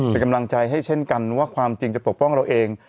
เป็นกำลังใจให้เช่นกันว่าความจริงจะปกป้องเราเอง